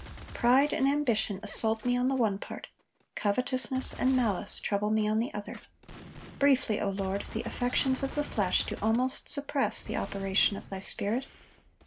Pride and ambition assault me on the one part, covetousness and malice trouble me on the other; briefly, O Lord, the affections of the flesh do almost suppress the operation of Thy Spirit.